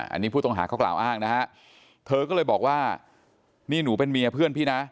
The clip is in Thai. อันนี้ผู้ต้องหาเขากล่าวอ้างนะฮะเธอก็เลยบอกว่านี่หนูเป็นเมียเพื่อนพี่นะ